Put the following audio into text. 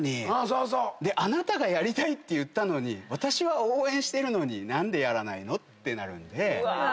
あなたがやりたいって言ったのに私は応援してるのに何でやらないの？」ってなるんで。